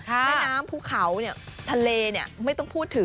แม่น้ำภูเขาเนี่ยทะเลเนี่ยไม่ต้องพูดถึง